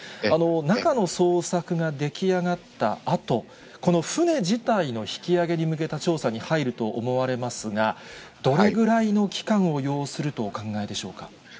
中の捜索ができあがったあと、この船自体の引き揚げに向けた調査に入ると思われますが、どれぐらいの期間を要するとお考えでしょうか。